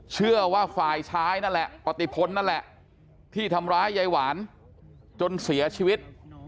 เชื่อว่าฝ่ายชายนั่นแหละปฏิพลนั่นแหละที่ทำร้ายยายหวานจนเสียชีวิต